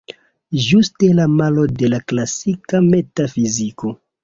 Ĝuste la malo de la klasika metafiziko.